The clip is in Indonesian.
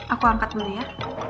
aku angkat dulu ya